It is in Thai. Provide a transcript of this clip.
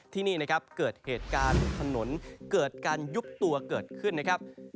ที่นี่นะครับเกิดเหตุการณ์ถนนเกิดการยุบตัวเกิดขึ้นนะครับ